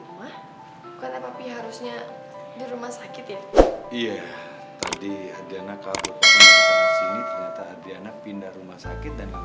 tante kan nyuruh aku buat bikin refah kecelakaan sampai refahnya meninggal